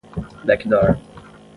backdoor